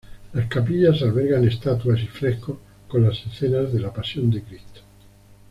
Las capillas albergan estatuas y frescos con las escenas de la "Pasión de Cristo".